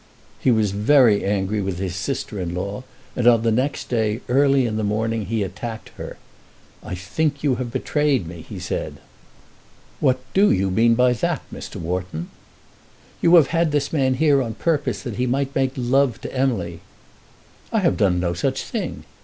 He was very angry with his sister in law, and on the next day, early in the morning, he attacked her. "I think you have betrayed me," he said. "What do you mean by that, Mr. Wharton?" "You have had this man here on purpose that he might make love to Emily." "I have done no such thing.